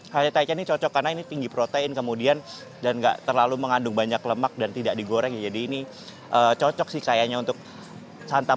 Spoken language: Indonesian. haiticnya ini cocok karena ini tinggi protein kemudian dan enggak terlalu mengandung banyak lemak dan tidak digoreng jadi ini cocok sih kayaknya untuk santap